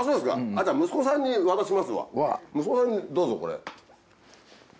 息子さんにどうぞこれ。